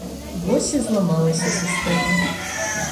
Вось і зламалася сістэма.